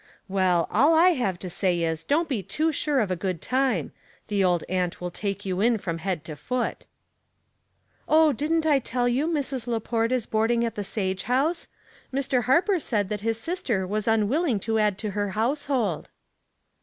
" Well, all I have to say is, don't be too sure of a good time. The old aunt will take you in from head to foot." " Oh, didn't I tell you Mrs. Laport is board ing at the Sage House. Mr. Harper said that his sister was unwilling to add to her household."